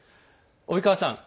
及川さん